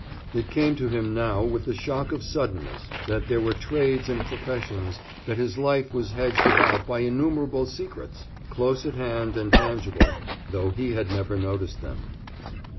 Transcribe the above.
It came to him now with the shock of suddenness that there were trades and professions, that his life was hedged about by innumerable secrets, close at hand and tangible, though he had never noticed them.